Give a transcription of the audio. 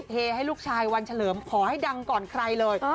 เฮให้ลูกชายวันเฉลิมขอให้ดังก่อนใครเลย